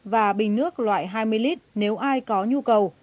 và bình nước loại hai mươi lít nếu ai có nhu cầu